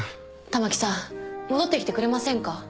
たまきさん戻ってきてくれませんか？